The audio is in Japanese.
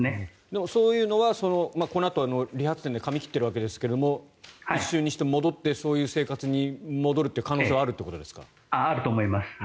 そういうのはこのあと理髪店で髪を切っているわけですが一瞬にして戻ってそういう生活に戻るという可能性はあると思います。